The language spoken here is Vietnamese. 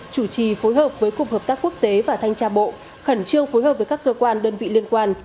chủ trì phối hợp với cục hợp tác quốc tế và thanh tra bộ khẩn trương phối hợp với các cơ quan đơn vị liên quan